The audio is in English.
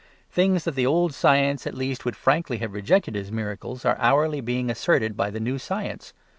Things that the old science at least would frankly have rejected as miracles are hourly being asserted by the new science.